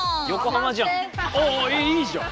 ああいいじゃん。